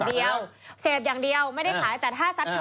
บอกว่าเสพอย่างเดียวไม่ได้ขาย